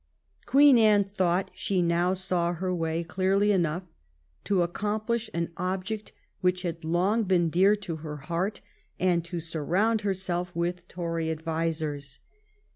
Queen Anne thought she now saw her way clearly enough to accomplish an object which had long been dear to her heart, and to surround herself with Tory advisers.